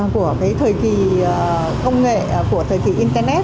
của thời kỳ công nghệ của thời kỳ internet